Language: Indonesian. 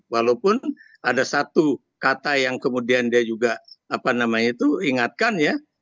walaupun ada satu kata yang kemudian dia juga ingatkan ya